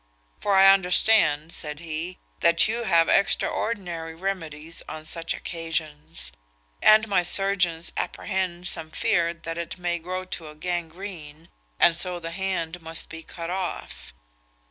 'For I understand,' said he, 'that you have extraordinary remedies on such occasions; and my surgeons apprehend some fear that it may grow to a gangrene, and so the hand must be cut off.'